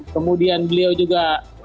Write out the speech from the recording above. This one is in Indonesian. kemudian beliau juga